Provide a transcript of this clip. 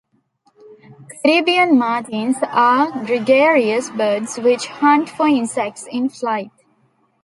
Caribbean martins are gregarious birds which hunt for insects in flight.